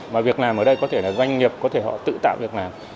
và việc làm ở đây có thể là doanh nghiệp có thể họ tự tạo việc làm